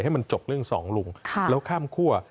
ให้มันจบเรื่องสองลุงแล้วข้ามคั่ว